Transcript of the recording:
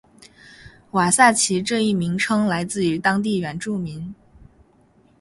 瓦萨奇这一名称来自于当地原住民。